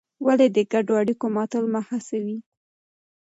ولې د ګډو اړیکو ماتول مه هڅوې؟